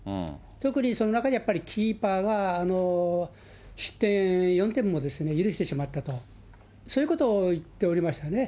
特にその中でやっぱりキーパーが失点、４点も許してしまったと、そういうことを言っておりましたね。